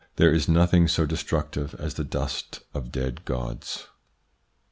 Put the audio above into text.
There is nothing so destructive as the dust of dead gods.